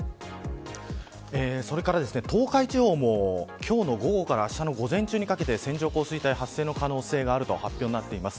それから東海地方も今日の午後からあしたの午前中にかけて線状降水帯発生の可能性があると発表になっています。